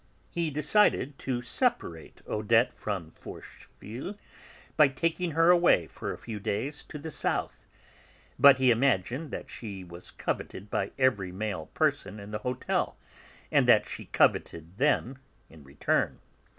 He decided to separate Odette from Forcheville, by taking her away for a few days to the south. But he imagined that she was coveted by every male person in the hotel, and that she coveted them in return.